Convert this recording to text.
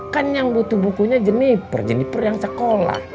kan yang butuh bukunya jeniper jeniper yang sekolah